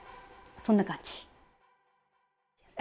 そんな感じ。